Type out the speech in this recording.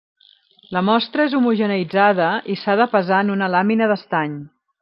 La mostra és homogeneïtzada i s'ha de pesar en una làmina d'estany.